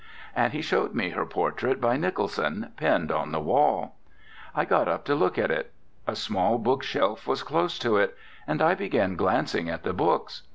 And he showed me her portrait by Nicholson, pinned on the wall. I got up to look at it. A small bookshelf was close to it, and I began glancing at the books.